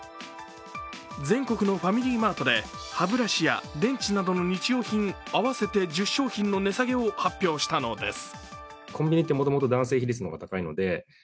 全国のファミリーマートで歯ブラシや電池などの日用品合わせて１０商品の値下げを発表したのです。